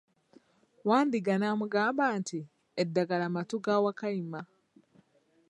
Wandiga n'amugamba nti, eddagala mattu ga Wakayima.